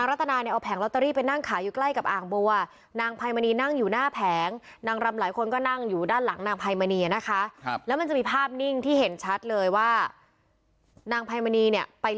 มันนี่เห็นชัดเลยว่านางแผ่งมณีเนี้ยไปเลือกซื้อกับเพื่อนนางรัมหลายคน